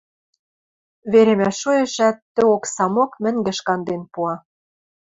веремӓ шоэшӓт, тӹ оксамок мӹнгеш канден пуа.